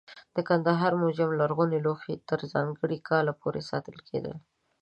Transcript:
د کندهار موزیم لرغوني لوښي تر ځانګړي کال پورې ساتل کېدل.